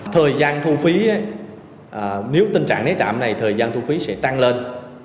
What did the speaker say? thời gian thu phí nếu tình trạng né trạm này thời gian thu phí sẽ tăng lên